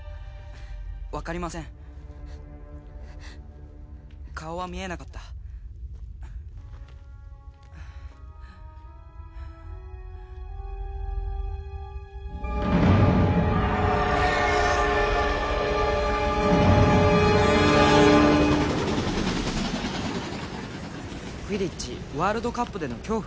分かりません顔は見えなかった「クィディッチ・ワールドカップでの恐怖」？